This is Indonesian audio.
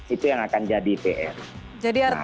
itu yang akan jadi pr